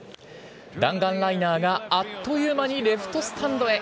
弾丸ライナーがあっという間にレフトスタンドへ。